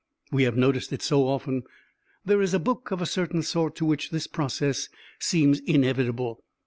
We have noticed it so often. There is a book of a certain sort to which this process seems inevitable.